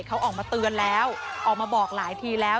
เขาออกมาเตือนแล้วออกมาบอกหลายทีแล้ว